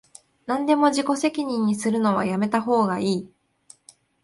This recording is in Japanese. なんでも自己責任にするのはやめたほうがいい